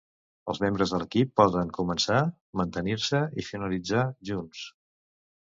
Els membres de l'equip poden començar, mantenir se i finalitzar junts.